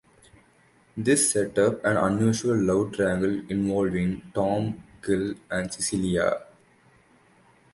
This sets up an unusual love triangle involving Tom, Gil, and Cecilia.